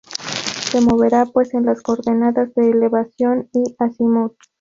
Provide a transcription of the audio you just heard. Se moverá pues en las coordenadas de elevación y azimut.